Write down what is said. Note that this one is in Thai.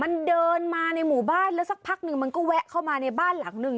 มันเดินมาในหมู่บ้านแล้วสักพักหนึ่งมันก็แวะเข้ามาในบ้านหลังหนึ่ง